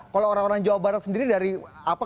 kalau orang orang jawa barat sendiri dari apa